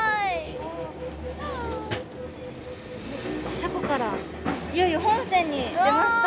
車庫からいよいよ本線に出ました。